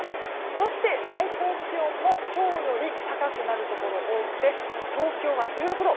そして最高気温も今日より高くなるところ多くて東京は１６度。